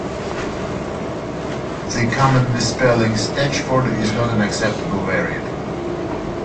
The common misspelling Stetchford is not an acceptable variant.